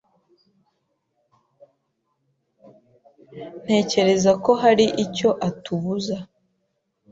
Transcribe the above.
Ntekereza ko hari icyo atubuza.